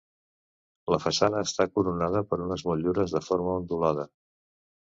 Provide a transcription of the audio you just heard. La façana està coronada per unes motllures de forma ondulada.